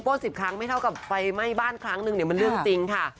๑๐ครั้งไม่เท่ากับไฟไหม้บ้านครั้งนึงเนี่ยมันเรื่องจริงค่ะ